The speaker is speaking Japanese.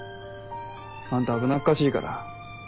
あんた危なっかしいから。